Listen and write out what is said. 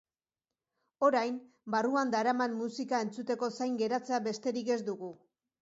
Orain, barruan daraman musika entzuteko zain geratzea besterik ez dugu.